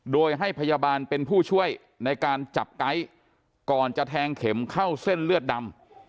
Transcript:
โดยให้พยาบาลเป็นผู้ช่วยในการจับไก๊ก่อนจะแทงเข็มเข้าเส้นเลือดดำ